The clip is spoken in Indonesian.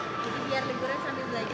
jadi biar liburan sambil belajar